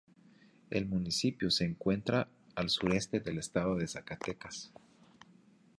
El municipio se encuentra al sureste del estado de Zacatecas.